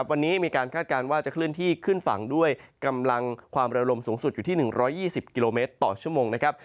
วันนี้มีการคาดการณ์ว่าจะเคลื่อนที่ขึ้นฝั่งด้วยกำลังความเร็วลมสูงสุดอยู่ที่๑๒๐กิโลเมตรต่อชั่วโมงนะครับ